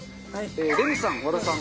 レミさん和田さん